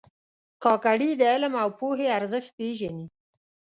کاکړي د علم او پوهې ارزښت پېژني.